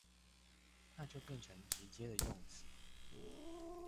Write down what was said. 那就變成直接的用詞